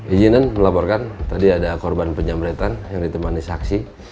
ijinan melaporkan tadi ada korban penyamretan yang ditemani saksi